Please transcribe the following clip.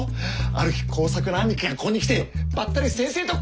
ある日耕作の兄貴がここに来てばったり先生と顔を合わす。